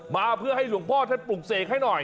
มาเพื่อให้หลวงพ่อท่านปลุกเสกให้หน่อย